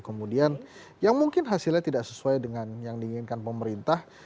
kemudian yang mungkin hasilnya tidak sesuai dengan yang diinginkan pemerintah